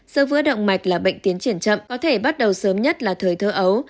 sơ vữa động mạch là bệnh tiến triển chậm có thể bắt đầu sớm nhất là thời thơ ấu